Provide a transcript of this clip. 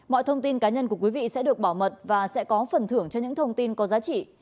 mọi thông tin cá nhân của quý vị sẽ được bảo mật và sẽ có phần thưởng cho những thông tin có giá trị